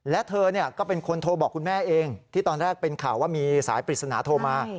และเธอก็เป็นคนโทรบอกคุณแม่เองที่ตอนแรกเป็นข่าวว่ามีสายปริศนาโทรมา